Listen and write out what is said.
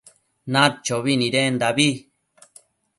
Nadi nidendabi